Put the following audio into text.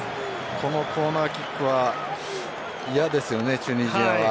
このコーナーキックは嫌ですよね、チュニジアは。